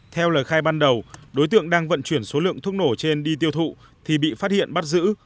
theo lời khai ban đầu đối tượng đang vận chuyển số lượng thuốc nổ trên đi tiêu thụ thì bị phát hiện bắt giữ